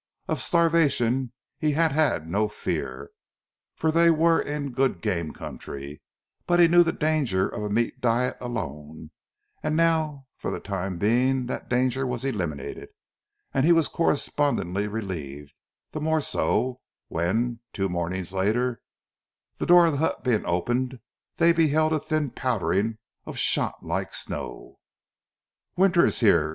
Of starvation he had had no fear, for they were in a good game country, but he knew the danger of a meat diet alone, and now that for the time being that danger was eliminated, he was correspondingly relieved; the more so when, two mornings later, the door of the hut being opened they beheld a thin powdering of shot like snow. "Winter is here!"